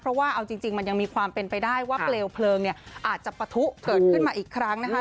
เพราะว่าเอาจริงมันยังมีความเป็นไปได้ว่าเปลวเพลิงเนี่ยอาจจะปะทุเกิดขึ้นมาอีกครั้งนะคะ